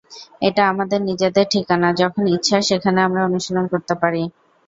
এটা আমাদের নিজেদের ঠিকানা, যখন ইচ্ছা সেখানে আমরা অনুশীলন করতে পারি।